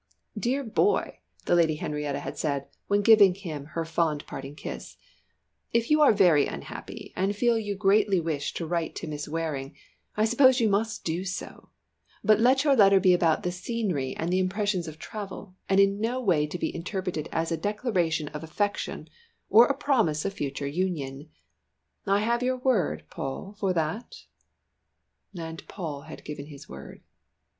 "Dear boy," the Lady Henrietta had said when giving him her fond parting kiss, "if you are very unhappy and feel you greatly wish to write to Miss Waring, I suppose you must do so, but let your letter be about the scenery and the impressions of travel, in no way to be interpreted into a declaration of affection or a promise of future union I have your word, Paul, for that?" And Paul had given his word.